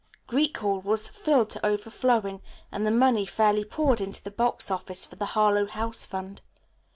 Greek Hall was filled to overflowing, and the money fairly poured into the box office for the Harlowe House fund.